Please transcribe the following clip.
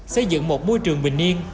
xây dựng một môi trường bình yên